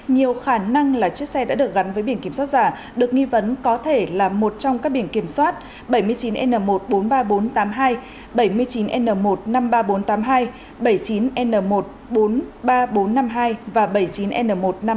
nhiều khả năng là chiếc xe đã được gắn với biển kiểm soát giả được nghi vấn có thể là một trong các biển kiểm soát bảy mươi chín n một trăm bốn mươi ba nghìn bốn trăm tám mươi hai bảy mươi chín n một trăm năm mươi ba nghìn bốn trăm tám mươi hai bảy mươi chín n một bốn mươi ba nghìn bốn trăm năm mươi hai và bảy mươi chín n một năm trăm sáu mươi